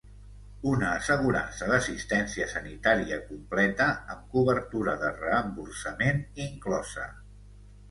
una assegurança d'assistència sanitària completa amb cobertura de reemborsament inclosa